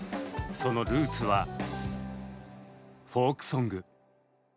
そのルーツはフォークソング。